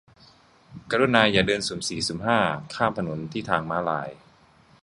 กรุณาอย่าเดินสุ่มสี่สุ่มห้า ข้ามถนนที่ทางม้าลาย